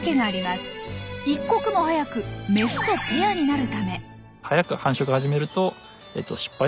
一刻も早くメスとペアになるため。